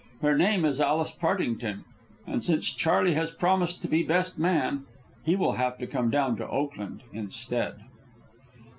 Her name is Alice Partington, and, since Charley has promised to be best man, he will have to come down to Oakland instead.